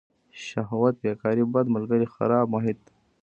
شهوت بیکاري بد ملگري خرابه محیط.